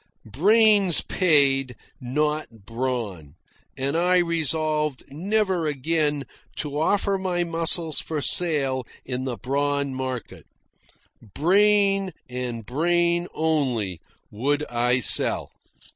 Brains paid, not brawn, and I resolved never again to offer my muscles for sale in the brawn market. Brain, and brain only, would I sell.